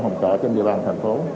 phòng trọ trên dự bàn tp hcm